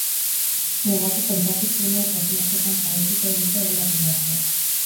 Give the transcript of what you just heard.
Mugako kontakizunez hausnarketan jarraituko dute hainbat idazlek.